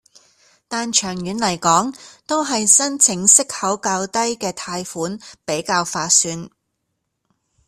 但長遠來講，都係申請息口較低的貸款比較划算